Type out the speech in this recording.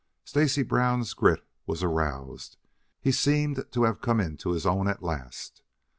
Stacy Brown's grit was aroused. He seemed to have come into his own at last.